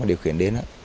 điều khiển đến